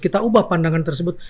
kita ubah pandangan tersebut